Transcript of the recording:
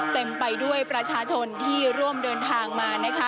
เต็มไปด้วยประชาชนที่ร่วมเดินทางมานะคะ